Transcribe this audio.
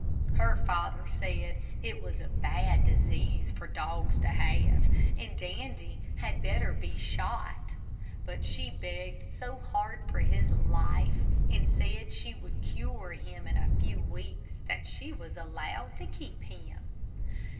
Her father said it was a bad disease for dogs to have, and Dandy had better be shot; but she begged so hard for his life, and said she would cure him in a few weeks, that she was allowed to keep him.